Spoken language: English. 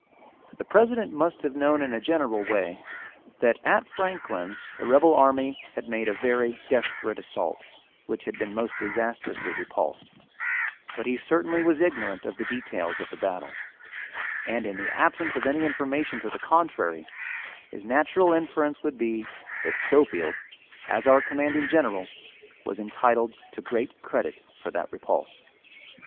The president must have known in a general way, that at Franklin the rebel army had made a very desperate assault which had been most disastrously repulsed, but he certainly was ignorant of the details of the battle, and in the absence of any information to the contrary, his natural inference would be that Schofield, as our commanding general, was entitled to great credit for that repulse.